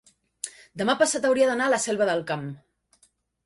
demà passat hauria d'anar a la Selva del Camp.